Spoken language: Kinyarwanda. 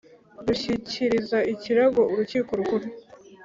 rushyikiriza ikirego urukiko rukuru.